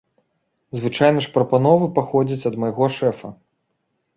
Звычайна ж прапановы паходзяць ад майго шэфа.